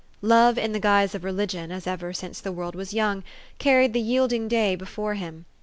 Love in the guise of religion, as ever since the world was young, carried the yielding day before him.